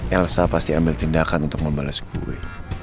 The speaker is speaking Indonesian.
elsa pasti ambil tindakan untuk membalas kue